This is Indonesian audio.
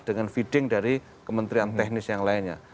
dengan feeding dari kementerian teknis yang lainnya